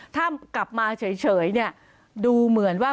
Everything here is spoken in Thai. ถ้ากลับมาเฉยเนี่ยดูเหมือนว่า